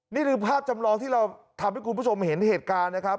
นี่คือภาพจำลองที่เราทำให้คุณผู้ชมเห็นเหตุการณ์นะครับ